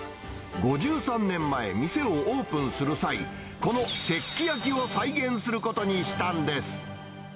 ５３年前、店をオープンする際、この石器焼を再現することにしたんです。